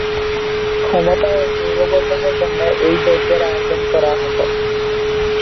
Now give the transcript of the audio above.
ক্ষমতা ও গৌরব অর্জনের জন্য এই যজ্ঞের আয়োজন করা হত।